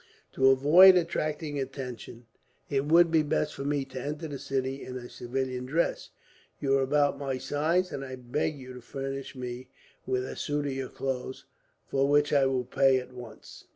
To avoid attracting attention, it would be best for me to enter the city in a civilian dress. You are about my size, and I beg you to furnish me with a suit of your clothes, for which I will pay at once."